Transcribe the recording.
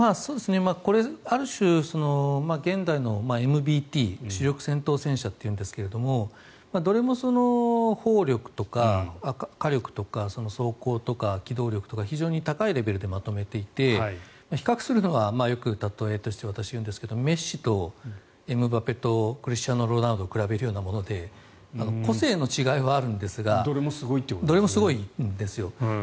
これ、ある種現代のＭＢＴ主力戦闘戦車っていうんですがどれも砲力とか火力とか装甲とか機動力とか非常に高いレベルでまとめていて比較するのはよく例えて私は言うんですがメッシとエムバペとクリスティアーノ・ロナウドと比べるようなもので個性の違いはあるんですがどれもすごいんですよ。